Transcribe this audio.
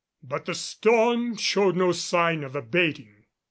But the storm showed no sign of abating.